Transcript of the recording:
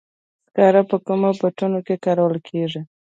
سکاره په کومو بټیو کې کارول کیږي؟